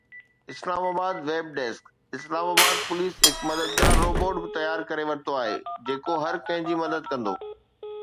اسلام آباد (web desk) Islamabad police هڪ مددگار روبوٽ به تيار ڪري ورتو آهي جيڪو هر ڪنهن جي مدد ڪندو